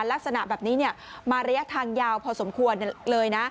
ลักษณะแบบนี้มาระยะทางยาวพอสมควรเลยนะ